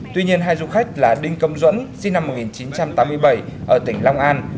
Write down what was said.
tuy nhiên hai du khách là đinh công duẫn sinh năm một nghìn chín trăm tám mươi bảy ở tỉnh long an